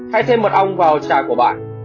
hãy thêm mật ong vào trà của bạn